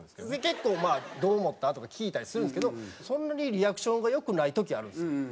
結構「どう思った？」とか聞いたりするんですけどそんなにリアクションが良くない時あるんですよ。